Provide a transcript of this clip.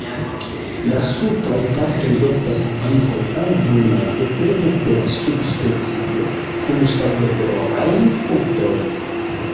La supraj partoj estas grizaj aŭ brunaj, depende de la subspecio, kun sablokoloraj punktoj.